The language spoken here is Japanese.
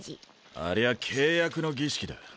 ありゃ契約の儀式だ。